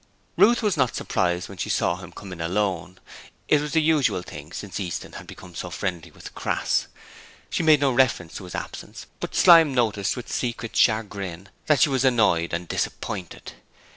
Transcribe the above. Ruth was not surprised when she saw him come in alone; it was the usual thing since Easton had become so friendly with Crass. She made no reference to his absence, but Slyme noticed with secret chagrin that she was annoyed and disappointed.